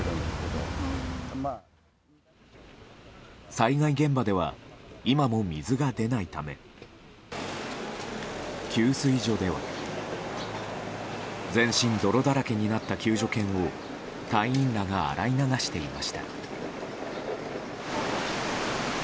災害現場では今も水が出ないため給水所では全身泥だらけになった救助犬を隊員らが洗い流していました。